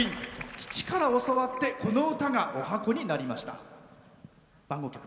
父から教わってこの歌が十八番になりました。